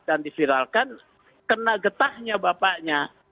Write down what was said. dan di viralkan kena getahnya bapaknya